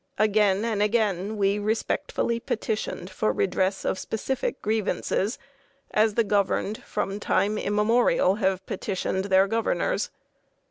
Again and again we respectfully petitioned for redress of specific grievances, as the governed, from time immemorial, have petitioned their governors.